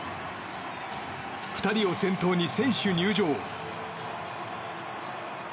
２人を先頭に選手入場。